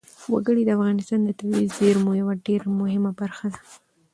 وګړي د افغانستان د طبیعي زیرمو یوه ډېره مهمه برخه ده.